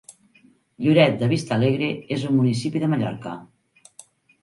Lloret de Vistalegre és un municipi de Mallorca.